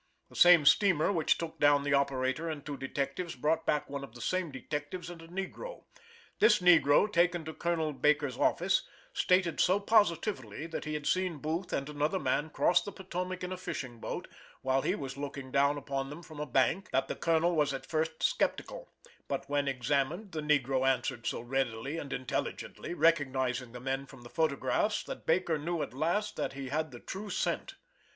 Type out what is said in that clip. The same steamer which took down the operator and two detectives. brought back one of the same detectives and a negro. This negro, taken to Colonel Baker's office, stated so positively that he had seen Booth and another man cross the Potomac in a fishing boat, while he was looking down upon them from a bank, that the colonel, was at first skeptical; but when examined the negro answered so readily and intelligently, recognizing the men from the photographs, that Baker knew at last that he had the true scent.